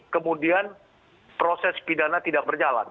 kemudian proses pidana tidak berjalan